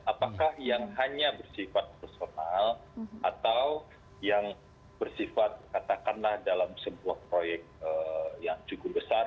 apakah yang hanya bersifat personal atau yang bersifat katakanlah dalam sebuah proyek yang cukup besar